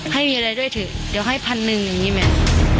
ให้มีอะไรด้วยเถอะเดี๋ยวให้พันหนึ่งอย่างนี้ไหม